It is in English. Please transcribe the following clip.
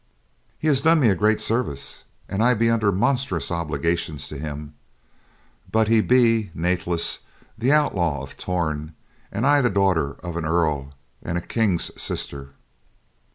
"He has done me a great service, and I be under monstrous obligations to him, but he be, nathless, the Outlaw of Torn and I the daughter of an earl and a king's sister."